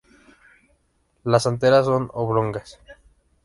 Las anteras son oblongas.